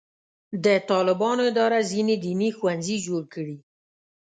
د طالبانو اداره ځینې دیني ښوونځي جوړ کړي.